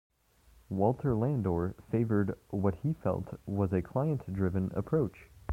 Walter Landor favored what he felt was a client-driven approach.